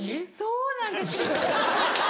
そうなんです。